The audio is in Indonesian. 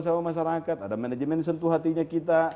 sama masyarakat ada manajemen sentuh hatinya kita